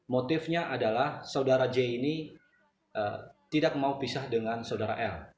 motifnya adalah saudara j ini tidak mau pisah dengan saudara l